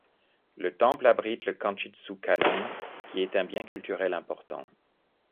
Le temple abrite le Kanshitsu Kannon, qui est un bien culturel important.